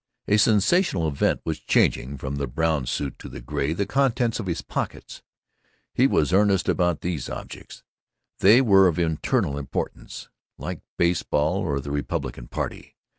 A sensational event was changing from the brown suit to the gray the contents of his pockets. He was earnest about these objects. They were of eternal importance, like baseball or the Republican Party.